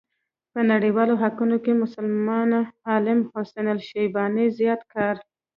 په نړيوالو حقوقو کې مسلمان عالم حسن الشيباني زيات کار